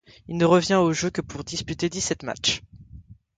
Il ne revient au jeu que pour disputer dix-sept matchs.